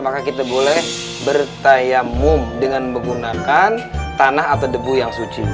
maka kita boleh bertayamum dengan menggunakan tanah atau debu yang suci